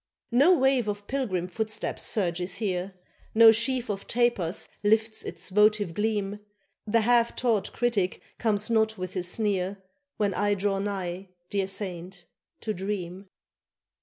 No wave of pilgrim footsteps surges here, No sheaf of tapers lifts its votive gleam, The half taught critic comes not with his sneer, When I draw nigh, dear saint, to dream.